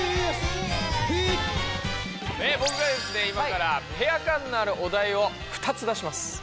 いまからペア感のあるお題を２つ出します。